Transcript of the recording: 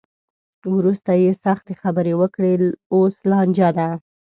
وروسته یې سختې خبرې وکړې؛ اوس لانجه ده.